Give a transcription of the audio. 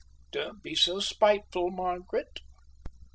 "Don't be so spiteful, Margaret."